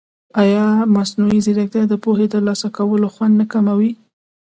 ایا مصنوعي ځیرکتیا د پوهې د ترلاسه کولو خوند نه کموي؟